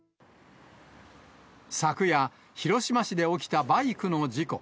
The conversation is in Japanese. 昨夜、広島市で起きたバイクの事故。